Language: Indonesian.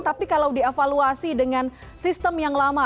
tapi kalau dievaluasi dengan sistem yang lama